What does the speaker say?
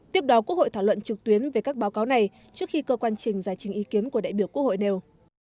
tiếp đó quốc hội thảo luận trực tuyến về các báo cáo này trước khi cơ quan trình giải trình ý kiến của đại biểu quốc hội nêu